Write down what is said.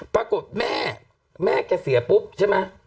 ปรากฏแม่แม่แกเสียปุ๊บใช่ไหม